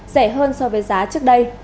rẻ hơn so với giá trước đây